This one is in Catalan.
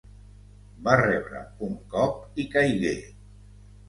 Va rebre un cop i caigué.